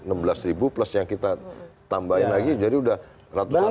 nah enam belas ribu plus yang kita tambahin lagi jadi sudah ratusan ribu itu